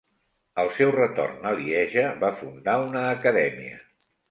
Al seu retorn a Lieja va fundar una acadèmia.